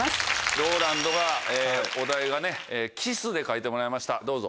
ＲＯＬＡＮＤがお題が「キス」で描いてもらいましたどうぞ。